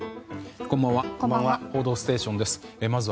こんばんは。